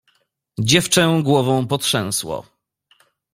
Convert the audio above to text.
"Dziewczę głową potrzęsło."